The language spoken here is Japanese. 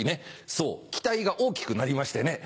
そうキタイが大きくなりましてね。